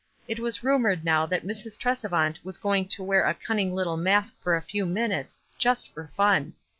It was rumored now that Mrs. Tresevant was going to wear a cunning little mask a few min utes, "just for fun."